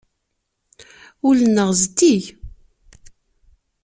Ul-nneɣ zeddig.